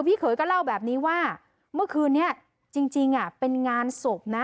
พี่เคยก็เล่าแบบนี้ว่าเมื่อคืนนี้จริงจริงอ่ะเป็นงานศพนะ